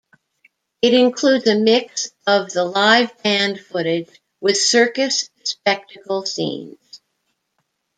It includes a mix of the live band footage with circus spectacle scenes.